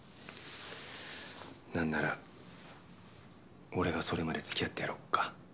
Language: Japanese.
なんなら俺がそれまで付き合ってやろっか？